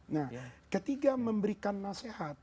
nah ketika memberikan nasihat